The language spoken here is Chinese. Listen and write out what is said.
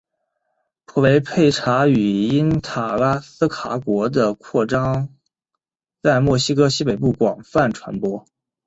普雷佩查语因塔拉斯卡国的扩张而在墨西哥西北部广泛传播。